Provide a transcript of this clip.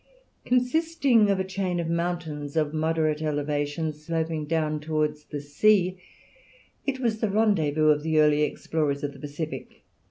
Consisting of a chain of mountains of moderate elevation, sloping down towards the sea, it was the rendezvous of the early explorers of the Pacific.